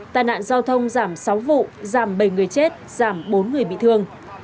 tài nạn giao thông giảm sáu vụ giảm bảy người chết giảm bốn người bị thương